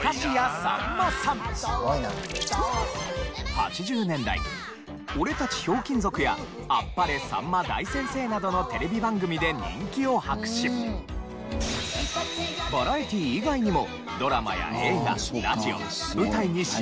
８０年代『オレたちひょうきん族』や『あっぱれさんま大先生』などのテレビ番組で人気を博しバラエティー以外にも。